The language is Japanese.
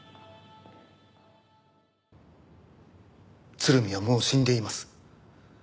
鶴見はもう死んでいます。